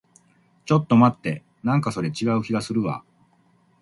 ちょっと待って。なんかそれ、違う気がするわ。